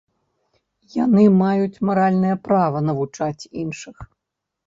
Яны маюць маральнае права навучаць іншых.